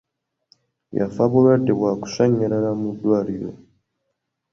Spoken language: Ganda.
Yafa bulwadde bwa kusannyalala mu ddwaliro.